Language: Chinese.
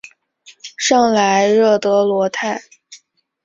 圣莱热德罗泰。